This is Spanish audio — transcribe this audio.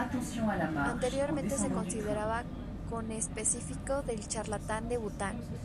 Anteriormente se consideraba conespecífico del charlatán de Bután.